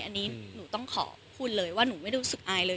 อันนี้หนูต้องขอพูดเลยว่าหนูไม่รู้สึกอายเลย